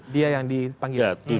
dia yang dipanggil